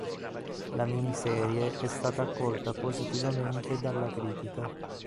La miniserie è stata accolta positivamente dalla critica.